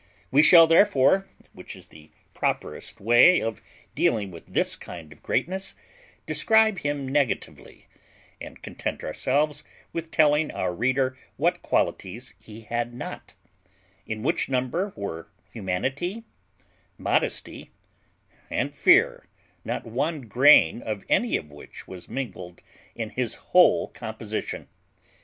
We shall therefore (which is the properest way of dealing with this kind of GREATNESS) describe him negatively, and content ourselves with telling our reader what qualities he had not; in which number were humanity, modesty, and fear, not one grain of any of which was mingled in his whole composition.